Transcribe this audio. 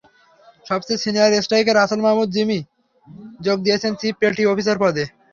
সবচেয়ে senior striker Rasel Mahmud Jimmy যোগ দিয়েছেন চিফ পেটি অফিসার পদে।